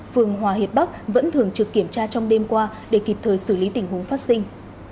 phường hòa hiệp bắc vẫn thường trực kiểm tra trong đêm qua để kịp thời xử lý tình huống phát sinh